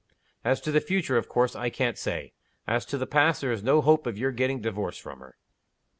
"As to the future, of course I can't say. As to the past, there is no hope of your getting divorced from her."